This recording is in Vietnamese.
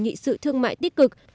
nghị sự thương mại tích cực